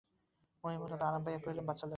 মহিম অত্যন্ত আরাম পাইয়া কহিলেন, বাঁচালে।